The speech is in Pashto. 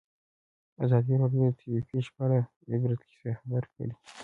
ازادي راډیو د طبیعي پېښې په اړه د عبرت کیسې خبر کړي.